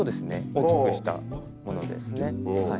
大きくしたものですね。